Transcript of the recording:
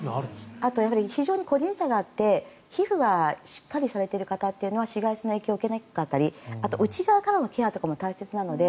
あと非常に個人差があって皮膚がしっかりされている方は紫外線の影響を受けにくかったり内側からのケアも大切だったり